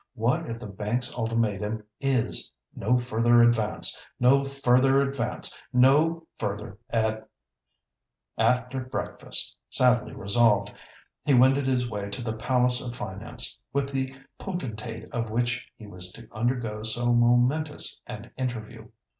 "What if the bank's ultimatum is, no further advance, no further advance, no further ad— " After breakfast, sadly resolved, he wended his way to the palace of finance, with the potentate of which he was to undergo so momentous an interview.